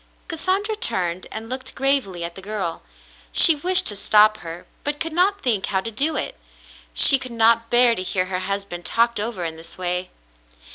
^^" Cassandra turned and looked gravely at the girl. She wished to stop her, but could not think hov/ to do it. She could not bear to hear her husband talked over in this way.